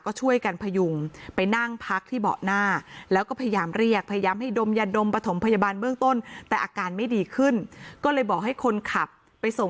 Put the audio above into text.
ตอนนั้นโรงพยาบาลที่ใกล้ที่สุดก็คือ